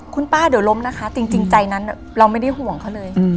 คุณป้าเดี๋ยวล้มนะคะจริงใจนั้นเราไม่ได้ห่วงเขาเลย